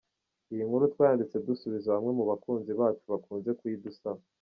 Iyi nkuru twayanditse dusubiza bamwe mu bakunzi bacu bakunze kuyidusab.